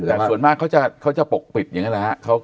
แต่ส่วนมากเขาจะปกปิดอย่างนั้นแหละครับ